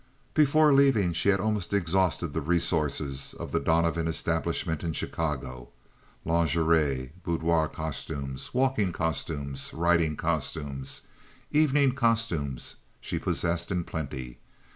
Before leaving she had almost exhausted the resources of the Donovan establishment in Chicago. Lingerie, boudoir costumes, walking costumes, riding costumes, evening costumes she possessed in plenty.